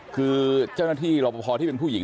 คือเจ้าหน้าที่รอปภที่เป็นผู้หญิง